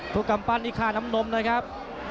ทุกกำปั้นอีกค่าน้ำนมเลยครับ